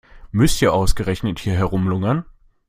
Müsst ihr ausgerechnet hier herumlungern?